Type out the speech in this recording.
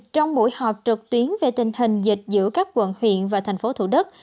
trong buổi họp trực tuyến về tình hình dịch giữa các quận huyện và thành phố thủ đức